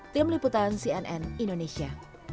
tim liputan cnn indonesia